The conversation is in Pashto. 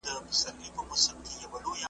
له سېله پاته له پرواز څخه لوېدلی یمه `